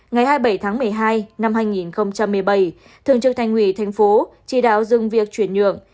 ngày hai mươi bảy tháng một mươi hai năm hai nghìn một mươi bảy thường trực thành ủy thành phố chỉ đạo dừng việc chuyển nhượng